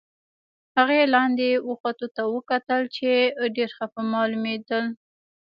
هغې لاندې و ختو ته وکتل، چې ډېر خپه معلومېدل.